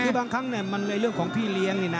คือบางครั้งมันในเรื่องของพี่เลี้ยงนี่นะ